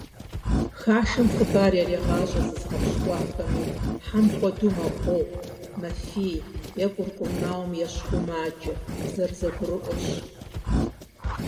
Хашэм хъыбар ярегъащӀэ зызыгъэпщкӀуахэми: хьэм хуэдэу мэкъугъ, мэфий, е кӀуркӀунаум ещхьу маджэ - зэрызэгурыӀуэщ.